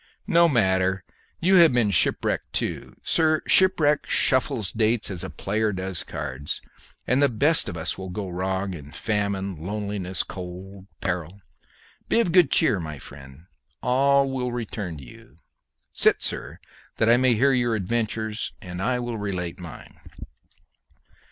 "No matter; you have been shipwrecked too! Sir, shipwreck shuffles dates as a player does cards, and the best of us will go wrong in famine, loneliness, cold, and peril. Be of good cheer, my friend; all will return to you. Sit, sir, that I may hear your adventures, and I will relate mine."